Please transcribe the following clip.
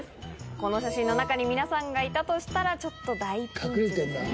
この写真の中に皆さんがいたとしたらちょっと大ピンチですね。